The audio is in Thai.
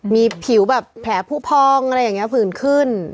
มีผิวแบบแผลผู้พองอะไรอย่างนี้ผื่นขึ้น